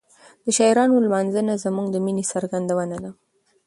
د شاعرانو لمانځنه زموږ د مینې څرګندونه ده.